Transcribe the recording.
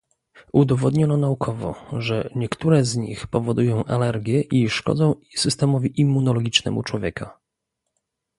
Udowodniono naukowo, że niektóre z nich powodują alergie i szkodzą systemowi immunologicznemu człowieka